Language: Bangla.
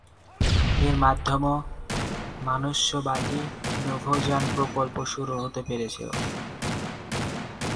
এর মাধ্যমে মনুষ্যবাহী নভোযান প্রকল্প শুরু হতে পেরেছিল।